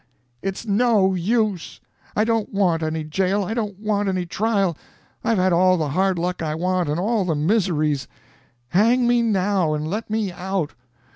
it's no use. I don't want any jail, I don't want any trial; I've had all the hard luck I want, and all the miseries. Hang me now, and let me out!